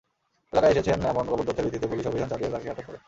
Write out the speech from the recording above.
এলাকায় এসেছেন এমন গোপন তথ্যের ভিত্তিতে পুলিশ অভিযান চালিয়ে তাঁকে আটক করে।